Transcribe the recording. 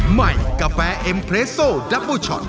ใหม่กาแฟเอ็มเรสโซดับเบอร์ช็อต